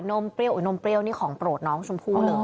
มเปรี้ยหรือนมเปรี้ยวนี่ของโปรดน้องชมพู่เลย